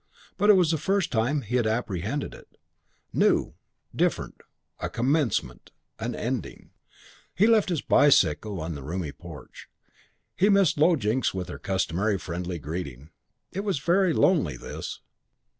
But it was the first time he had apprehended it. New. Different. A commencement. An ending. He left his bicycle in the roomy porch. He missed Low Jinks with her customary friendly greeting. It was very lonely, this.